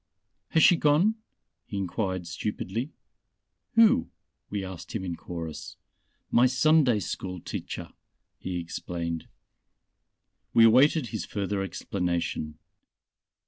"Has she gone?" he enquired stupidly. "Who?" we asked him in chorus. "My Sunday school teacher," he explained. We awaited his further explanation.